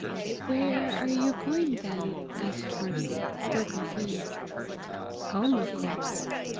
"Where are you going then?" asked Mercy, still confused. "Home, of course."